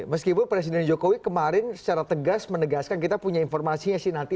meskipun presiden jokowi kemarin secara tegas menegaskan kita punya informasinya sih nanti